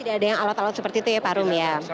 ada yang alat alat seperti itu ya pak rum ya